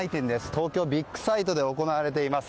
東京ビッグサイトで行われています。